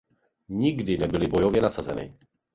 Nikdy nebyly bojově nasazeny.